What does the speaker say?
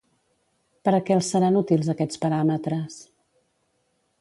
Per a què els seran útils aquests paràmetres?